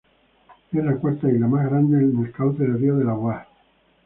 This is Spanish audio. Es la cuarta isla más grande en el cauce del río Delaware.